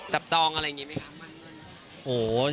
จองอะไรอย่างนี้ไหมคะ